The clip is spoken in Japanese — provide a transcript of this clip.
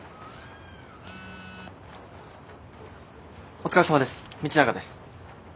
お疲れさまです道永です。